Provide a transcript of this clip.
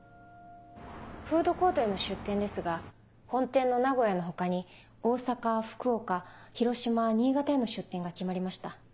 フードコートへの出店ですが本店の名古屋の他に大阪福岡広島新潟への出店が決まりました。